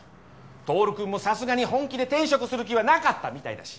亨くんもさすがに本気で転職する気はなかったみたいだし。